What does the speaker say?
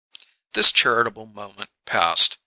This charitable moment passed.